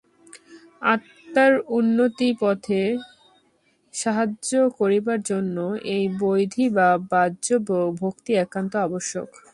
আত্মার উন্নতিপথে সাহায্য করিবার জন্য এই বৈধী বা বাহ্য ভক্তি একান্ত আবশ্যক।